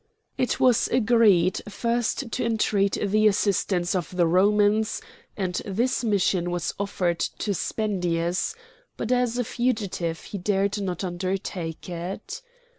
It was agreed first to entreat the assistance of the Romans, and this mission was offered to Spendius, but as a fugitive he dared not undertake it.